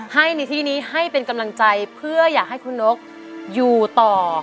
ให้ในที่นี้ให้เป็นกำลังใจเพื่ออยากให้คุณนกอยู่ต่อ